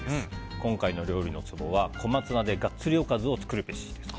今回の料理のツボはコマツナでガッツリおかずを作るべしです。